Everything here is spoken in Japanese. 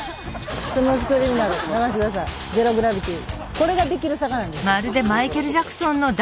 これができる坂なんですよ。